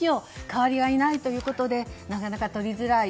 代わりがいないということでなかなか取りづらい。